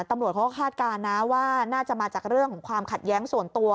ตำรวจเขาก็คาดการณ์นะว่าน่าจะมาจากเรื่องของความขัดแย้งส่วนตัว